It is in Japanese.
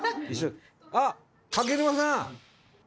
あっ柿沼さん！